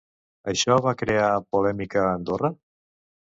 Això va crear polèmica a Andorra?